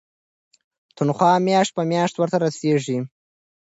تنخوا میاشت په میاشت ورته رسیږي.